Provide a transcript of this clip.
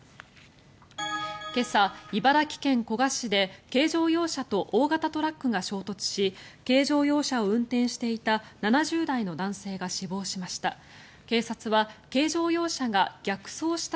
今朝、茨城県古河市で軽乗用車と大型トラックが衝突し軽乗用車を運転していた７０代の男性が死亡しました。